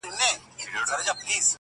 د دروازې په ځینځیر ځان مشغولوینه-